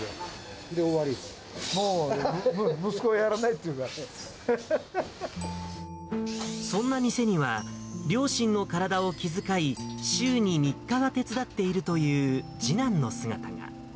もう、息子がやらないって言そんな店には、両親の体を気遣い、週に３日は手伝っているという次男の姿が。